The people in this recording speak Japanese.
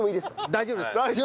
大丈夫です。